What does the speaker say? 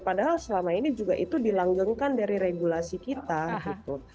padahal selama ini juga itu dilanggengkan dari regulasi kita gitu